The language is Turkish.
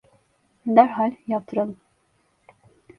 Derhal yaptıralım…